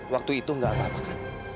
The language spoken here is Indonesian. waktu itu gak apa apa kan